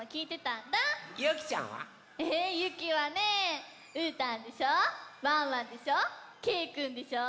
ゆきちゃんは？えゆきはねうーたんでしょワンワンでしょけいくんでしょ。